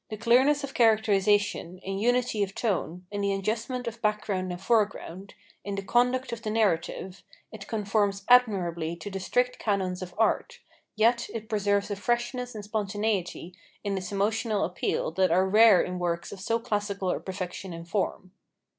In clearness of characterization, in unity of tone, in the adjustment of background and foreground, in the conduct of the narrative, it conforms admirably to the strict canons of art; yet it preserves a freshness and spontaneity in its emotional appeal that are rare in works of so classical a perfection in form.